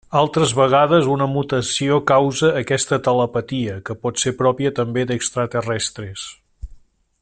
Altres vegades, una mutació causa aquesta telepatia, que pot ser pròpia també d'extraterrestres.